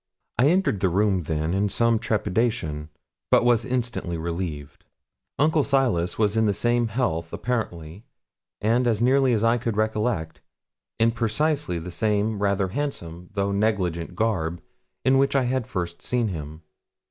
I entered the room, then, in some trepidation, but was instantly relieved. Uncle Silas was in the same health apparently, and, as nearly as I could recollect it, in precisely the same rather handsome though negligent garb in which I had first seen him.